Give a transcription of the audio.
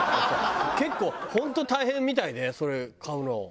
結構本当大変みたいでそれ買うの。